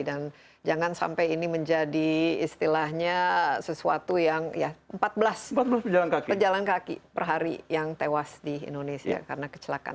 dan jangan sampai ini menjadi istilahnya sesuatu yang ya empat belas pejalan kaki per hari yang tewas di indonesia karena kecelakaan